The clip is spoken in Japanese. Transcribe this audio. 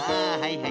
はい！